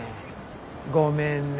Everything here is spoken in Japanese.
ごめんね。